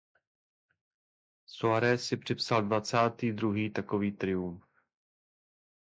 Soares si připsal dvacátý druhý takový triumf.